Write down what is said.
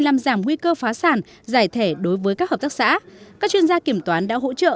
làm giảm nguy cơ phá sản giải thể đối với các hợp tác xã các chuyên gia kiểm toán đã hỗ trợ